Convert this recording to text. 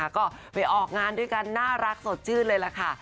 ก็ไปออกงานด้วยกันน่ารักสดชื่นเลยล่ะค่ะ